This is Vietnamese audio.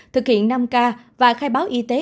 thực hiện năm k và khai báo y tế